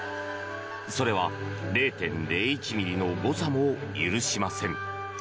それは０．０１ｍｍの誤差も許しません。